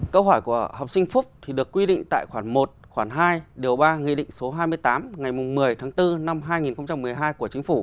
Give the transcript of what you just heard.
câu hỏi của học sinh phúc được quy định tại khoản một khoản hai điều ba nghị định số hai mươi tám ngày một mươi tháng bốn năm hai nghìn một mươi hai của chính phủ